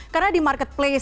karena di marketplace